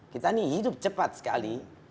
kita ini hidup cepat sekali